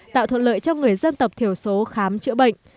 tạo thuận lợi cho người dân tập thiểu số khám chữa bệnh